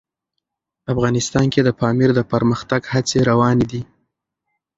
افغانستان کې د پامیر د پرمختګ هڅې روانې دي.